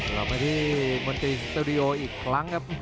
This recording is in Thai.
กลับมาที่มนตรีสตูดิโออีกครั้งครับ